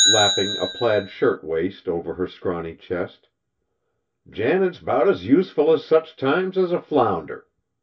lapping a plaid shirt waist over her scrawny chest. "Janet's 'bout as useful at such times as a flounder.